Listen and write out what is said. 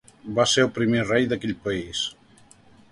Va ser el primer rei d'aquell país.